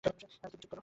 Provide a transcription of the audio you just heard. আরে তুমি চুপ করো।